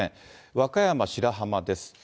和歌山・白浜です。